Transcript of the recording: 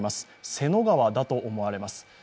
瀬野川だと思われます。